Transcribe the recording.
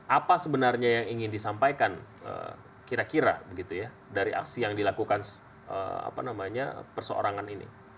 apa sebenarnya yang ingin disampaikan kira kira begitu ya dari aksi yang dilakukan perseorangan ini